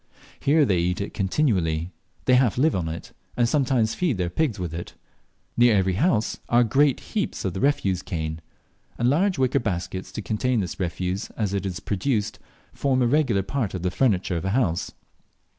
Here they eat it continually. They half live on it, and sometimes feed their pigs with it. Near every house are great heaps of the refuse cane; and large wicker baskets to contain this refuse as it is produced form a regular part of the furniture of a house.